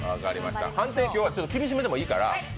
判定は厳しめでもいいから。